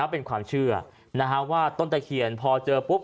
เป็นความเชื่อว่าต้นตะเคียนพอเจอปุ๊บ